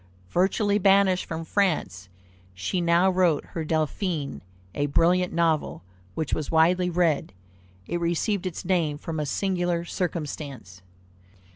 Virtually banished from France, she now wrote her Delphine, a brilliant novel which was widely read. It received its name from a singular circumstance.